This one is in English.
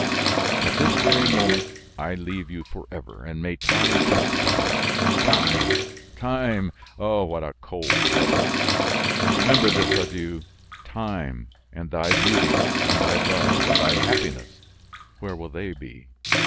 "At this very moment; I leave you forever, and may time justify you! Time! Time! O what a cold lover! remember this adieu. Time! and thy beauty, and thy love, and thy happiness, where will they be?